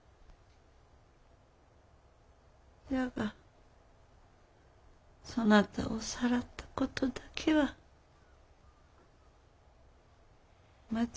じゃがそなたをさらったことだけは間違いではなかった。